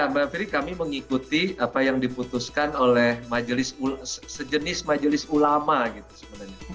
mbak firi kami mengikuti apa yang diputuskan oleh sejenis majelis ulama gitu sebenarnya